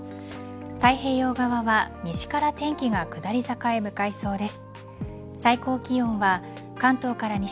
太平洋側は西から天気が下り坂へ向かいそうです。